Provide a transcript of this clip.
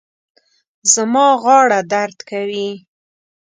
زما غاړه درد کوي